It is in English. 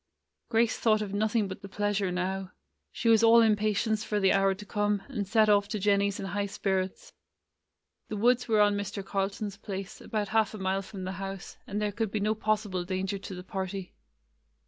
Grace thought of nothing but the pleasure now. She was all impatience for the hour to come, and set off to Jennie's in high spirits. [ 83 ] AN EASTER LILY The woods were on Mr. Carlton's place, about half a mile from the house, and there could be no possible danger to the party.